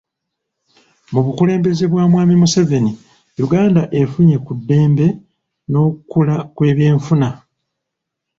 Mu bukulembeze bwa Mwami Museveni, Uganda efunye ku dembe n'okula kw'ebyenfuna